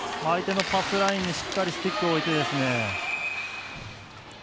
相手のパスラインにしっかりスティックを置いてですね。